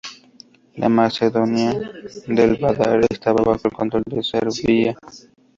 La Macedonia del Vardar estaba bajo el control de Serbia.